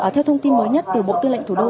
theo thông tin mới nhất từ bộ tư lệnh thủ đô